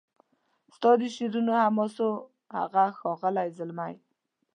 ستا د شعرونو حماسو هغه ښاغلی زلمی